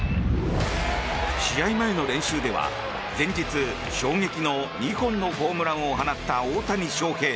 試合前の練習では前日、衝撃の２本のホームランを放った大谷翔平。